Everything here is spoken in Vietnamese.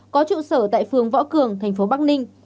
có trụ sở tại phường võ cường thành phố bắc ninh